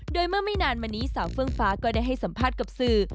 โดยเมื่อไม่นานมานี้สาวเฟื้องฟ้าก็ได้ให้สัมภาษณ์กับสื่อ